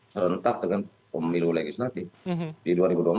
serentak dengan pemilu legislatif di dua ribu dua puluh empat